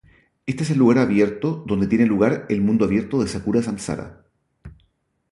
Este es el lugar donde tiene lugar el mundo abierto de Sakura Samsara.